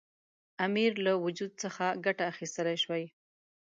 امیر له وجود څخه ګټه اخیستلای شوای.